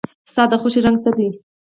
ستا د خوښې رنګ څه دی؟